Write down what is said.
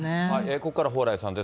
ここからは蓬莱さんです。